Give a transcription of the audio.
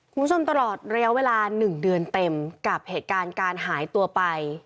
คุณผู้ชมตลอดระยะเวลา๑เดือนเต็มกับเหตุการณ์การหายตัวไป